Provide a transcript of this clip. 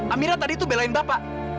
amira tadi itu belain bapak